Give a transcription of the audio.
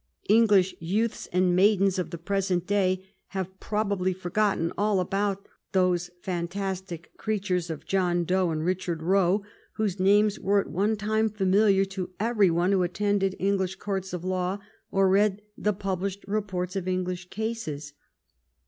English youths and maidens of the present day have probably forgotten all about those fan tastic creatures John Doe and Richard Roe, whose names were at one time familiar to every one who attended English courts of law or read the published reports of English cases.